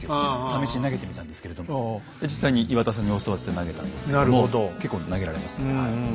試しに投げてみたんですけれど実際に岩田さんに教わって投げたんですけども結構投げられますねはい。